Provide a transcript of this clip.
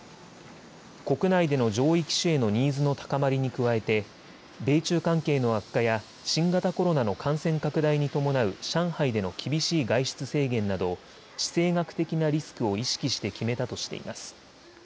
国内での上位機種へのニーズの高まりに加えて米中関係の悪化や新型コロナの感染拡大に伴う上海での厳しい外出制限など地政学的なリスクを意識して決めたとしています。